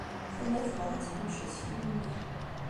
Tella tebɣa ad teḥmec aseklu-nni.